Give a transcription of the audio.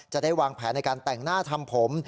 จะได้วางแผนในการแต่งหน้าทำผม